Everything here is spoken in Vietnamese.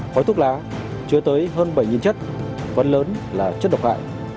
khói thuốc lá chứa tới hơn bảy chất phần lớn là chất độc hại